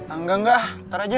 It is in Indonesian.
enggak enggak ntar aja